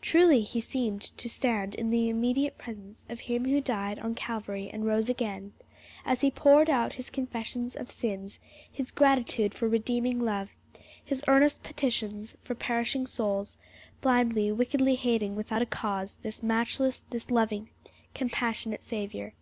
Truly he seemed to stand in the immediate presence of Him who died on Calvary and rose again, as he poured out his confessions of sins, his gratitude for redeeming love, his earnest petitions for perishing souls, blindly, wickedly hating without a cause this matchless, this loving, compassionate Saviour.